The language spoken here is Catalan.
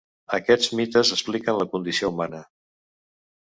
Aquests mites expliquen la condició humana.